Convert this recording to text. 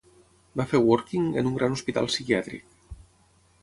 Va fer "Working" en un gran hospital psiquiàtric.